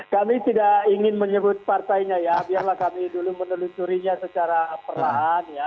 kami tidak ingin menyebut partainya ya biarlah kami dulu menelusurinya secara perlahan ya